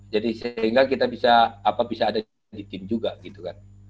jadi sehingga kita bisa apa bisa ada di tim juga gitu kan